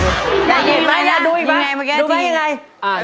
ดูไหมยังไง